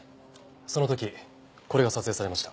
その時これが撮影されました。